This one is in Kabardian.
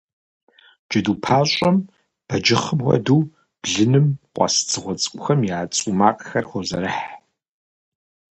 Джэду пащӏэм, бэджыхъым хуэдэу, блыным къуэс дзыгъуэ цӏыкӏухэм я цӏу макъхэр хозэрыхь.